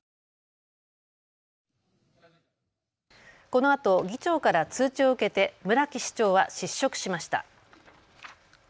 このあと議長から通知を受けて村木市長は失職しました。